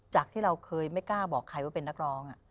จากที่เราเคยไม่กล้าบอกใครว่าเป็นนักร้อง